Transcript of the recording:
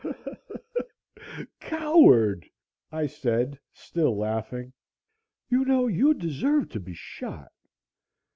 "Coward," I said, still laughing. "You know you deserve to be shot."